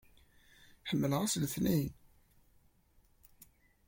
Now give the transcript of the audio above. Ḥemmleɣ ass n letniyen!